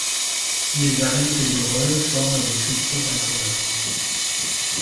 Les aryltellurols forment des cristaux incolores.